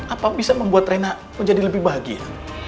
apa bisa membuat rena menjadi lebih bahagia